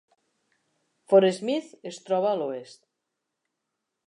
Fort Smith es troba a l'oest.